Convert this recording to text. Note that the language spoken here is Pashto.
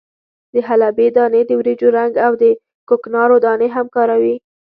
د حلبې دانې، د وریجو رنګ او د کوکنارو دانې هم کاروي.